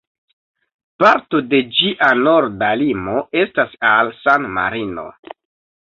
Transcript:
Parto de ĝia norda limo estas al San-Marino.